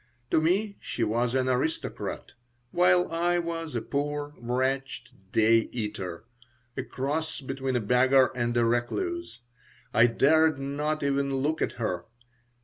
To me she was an aristocrat, while I was a poor, wretched "day" eater, a cross between a beggar and a recluse. I dared not even look at her.